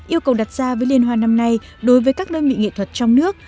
yêu cầu đặt ra với liên hoan năm nay đối với các đơn vị nghệ thuật trong nước